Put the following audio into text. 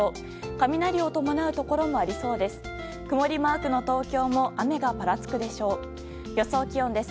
雷を伴うところもありそうです。